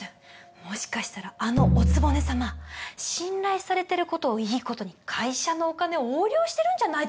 もしかしたらあのお局様信頼されてる事をいい事に会社のお金を横領してるんじゃないでしょうか。